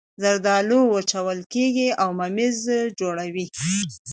زردالو وچول کیږي او ممیز جوړوي